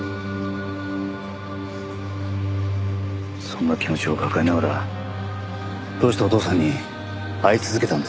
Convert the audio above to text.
そんな気持ちを抱えながらどうしてお父さんに会い続けたんですか？